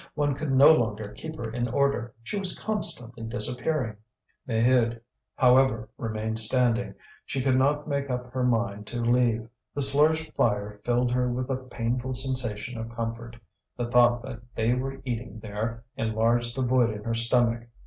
One could no longer keep her in order; she was constantly disappearing. Maheude, however, remained standing; she could not make up her mind to leave. This large fire filled her with a painful sensation of comfort; the thought that they were eating there enlarged the void in her stomach.